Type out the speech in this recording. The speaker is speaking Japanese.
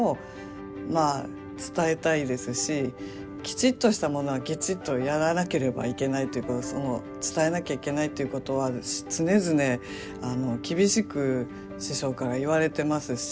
きちっとしたものはきちっとやらなければいけないということその伝えなきゃいけないっていうことは常々厳しく師匠から言われてますし